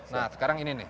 nah sekarang ini nih